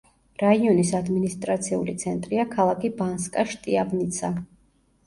რაიონის ადმინისტრაციული ცენტრია ქალაქი ბანსკა-შტიავნიცა.